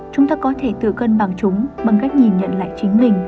chúng ta có thể từ cân bằng chúng bằng cách nhìn nhận lại chính mình